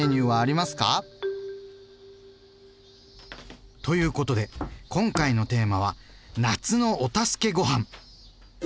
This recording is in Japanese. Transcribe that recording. なになに？ということで今回のテーマは「夏のお助けごはん」。